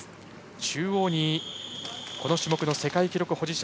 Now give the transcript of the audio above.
中央にこの種目の世界記録保持者